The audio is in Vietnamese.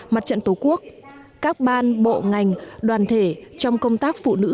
mặt trận tổ quốc các ban bộ ngành đoàn thể trong công tác phụ nữ